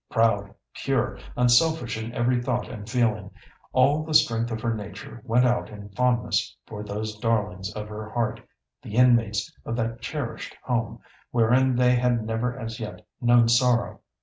Proud, pure, unselfish in every thought and feeling, all the strength of her nature went out in fondness for those darlings of her heart, the inmates of that cherished home, wherein they had never as yet known sorrow.